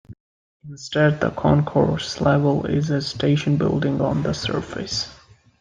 Instead, the concourse level is in a station building on the surface.